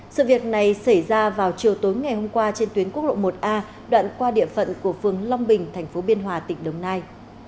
sự việc này xảy ra vào chiều tối ngày hôm qua trên tuyến quốc lộ một a đoạn qua địa phận của phường long bình tp biên hòa tỉnh đồng nai